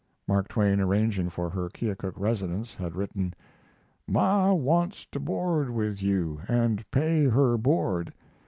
Mark Twain, arranging for her Keokuk residence, had written: Ma wants to board with you, and pay her board.